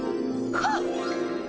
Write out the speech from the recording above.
はっ！